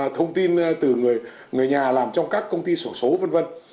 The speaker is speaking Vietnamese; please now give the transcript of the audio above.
thông tin từ người nhà làm trong các công ty sổ số vân vân